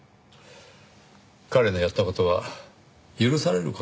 彼のやった事は許される事ではありません。